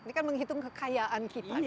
ini kan menghitung kekayaan kita kan sebenarnya